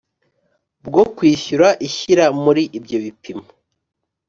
Bwo kwishyura ishyira muri ibyo bipimo